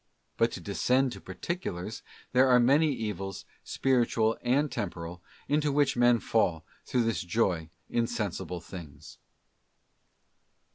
But to descend to particulars, there are many evils, spiritual and temporal, into which men fall ero this joy in sensible things.